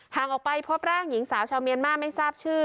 ห่างออกไปพบร่างหญิงสาวชาวเมียนมาไม่ทราบชื่อ